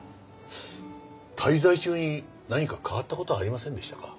滞在中に何か変わった事はありませんでしたか？